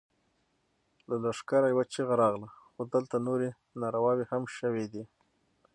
له لښکره يوه چيغه راغله! خو دلته نورې نارواوې هم شوې دي.